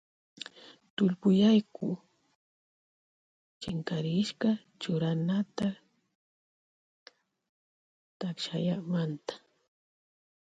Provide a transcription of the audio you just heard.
Tullpuyaku chinkarishka churanata takshaymanta.